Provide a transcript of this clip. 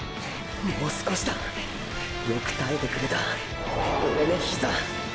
もう少しだよく耐えてくれたオレのヒザ！